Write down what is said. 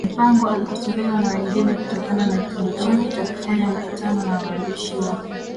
Mpango alikosolewa na wengi kutokana na kitendo chake cha kufanya mkutano na waandishi wa